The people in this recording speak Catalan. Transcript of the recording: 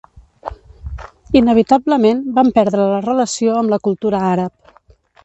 Inevitablement, vam perdre la relació amb la cultura àrab.